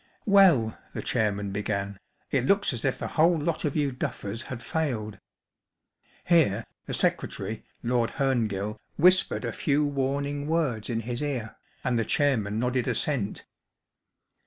" Well," .the chairman began, “ it looks as if the whole lot of you duffers had failed. Here the secretary, Lord Hemgill, whispered a few warning words in his ear, and the chairman nodded assent.